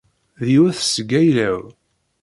D yiwet seg ayla-w.